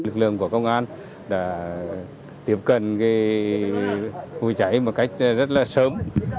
lực lượng của công an đã tiếp cận cái khu vực cháy một cách rất là sớm